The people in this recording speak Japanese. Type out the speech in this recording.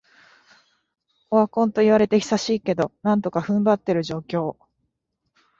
オワコンと言われて久しいけど、なんとか踏ん張ってる状況